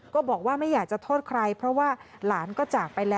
ก็บอกว่าไม่อยากจะโทษใครเพราะว่าหลานก็จากไปแล้ว